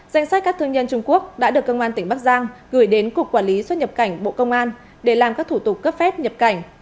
danh sách các thương nhân trung quốc đã được công an tỉnh bắc giang gửi đến cục quản lý xuất nhập cảnh bộ công an để làm các thủ tục cấp phép nhập cảnh